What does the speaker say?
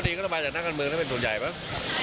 เดี๋ยวผมจะดูภาพรวมเอง